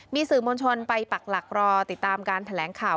มีสื่อมวลชนไปปักหลักรอติดตามการแถลงข่าว